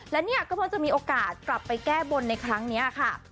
และเนี่ยก็เพิ่งจะมีโอกาสกลับไปแก้บนในครั้งนี้ค่ะ